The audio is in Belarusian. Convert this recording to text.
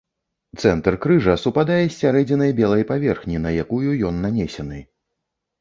Цэнтр крыжа супадае з сярэдзінай белай паверхні на якую ён нанесены.